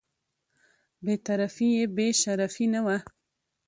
بې طرفي یې بې شرفي نه وه.